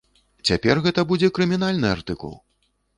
Цяпер гэта будзе крымінальны артыкул!